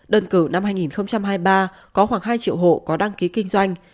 đơn cử năm hai nghìn hai mươi ba có khoảng hai triệu hộ có đăng ký kinh doanh